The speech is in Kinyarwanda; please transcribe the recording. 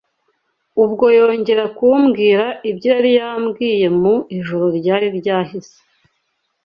Ubwo yongera kumbwira ibyo yari yambwiye mu ijoro ryari ryahise